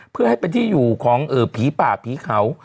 เพื่อให้เป็นที่อยู่ของผีป่าผีเขา